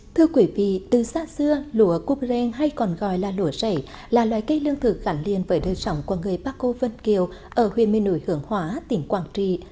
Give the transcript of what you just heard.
thưa quý vị từ xa xưa lũa cúp rèn hay còn gọi là lũa rảy là loài cây lương thực gắn liền với đời sống của người bác cô vân kiều ở huyện mê nụi hưởng hóa tỉnh quảng trị